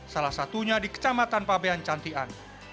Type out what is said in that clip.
salah satunya di kecamatan pabean cantian